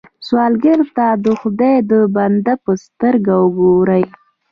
سوالګر ته د خدای د بندو په سترګه وګورئ